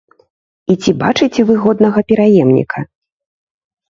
І ці бачыце вы годнага пераемніка?